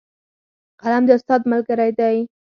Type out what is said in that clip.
قلم د استاد ملګری دی